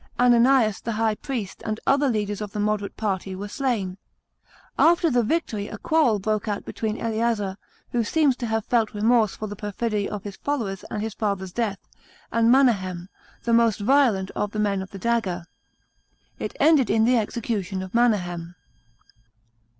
Ananias the high priest and other leaders of the moderate party were slain. After the victory a quarrel broke out between Eleazar, who seems to have felt remorse for the perfidy of his followers and his father's death, and Manahem, the most violent of " the men of the dagger." It ended in the execution of Manahem.